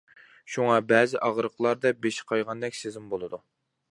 شۇڭا، بەزى ئاغرىقلاردا بېشى قايغاندەك سېزىم بولىدۇ.